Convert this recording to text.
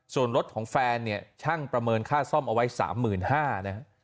ส่วนรถของแฟนเนี่ยช่างประเมินค่าซ่อมเอาไว้๓๕๐๐นะฮะ